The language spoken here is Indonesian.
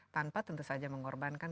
tanpa tentu saja mengorbankan